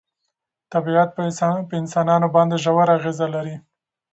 طبیعت په انسانانو باندې ژوره اغېزه لري.